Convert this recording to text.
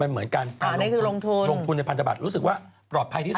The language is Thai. มันเหมือนการลงทุนในพันธบัตรรู้สึกว่าปลอดภัยที่สุด